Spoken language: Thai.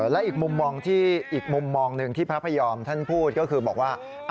และอีกมุมมองที่อีกมุมมองหนึ่งที่พระพยอมท่านพูดก็คือบอกว่า